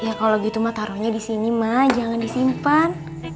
ya kalau gitu emak taruhnya disini emak jangan disimpan